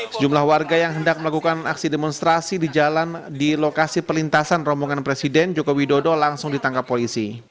sejumlah warga yang hendak melakukan aksi demonstrasi di jalan di lokasi perlintasan rombongan presiden joko widodo langsung ditangkap polisi